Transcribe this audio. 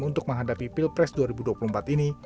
untuk menghadapi pilpres dua ribu dua puluh empat ini